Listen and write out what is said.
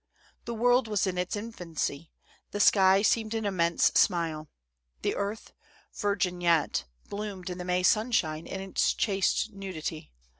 " The world was in its infancy. The sky seemed an immense smile. The earth, virgin yet, bloomed in the May sunshine, in its chaste nudity.